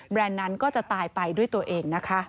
นั้นก็จะตายไปด้วยตัวเองนะคะ